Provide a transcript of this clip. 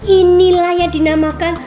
inilah yang dinamakan